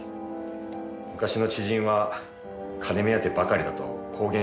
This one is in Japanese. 昔の知人は金目当てばかりだと公言してたぐらいですから。